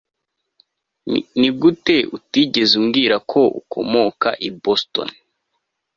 Nigute utigeze umbwira ko ukomoka i Boston